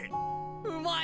うまい！